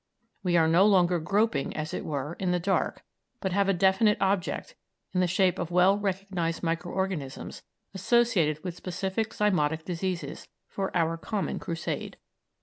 We are no longer groping, as it were, in the dark, but have a definite object, in the shape of well recognised micro organisms associated with specific zymotic diseases, for our common crusade.